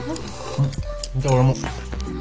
じゃあ俺も。